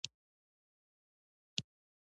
غم درد دی.